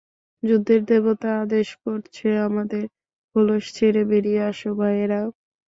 যুদ্ধের দেবতা আদেশ করছে আমাদেরঃ খোলস ছেঁড়ে বেড়িয়ে আসো, ভাইয়েরা।